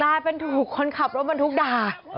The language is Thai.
ตายเป็นถูกคนขับรถบรรทุกด่า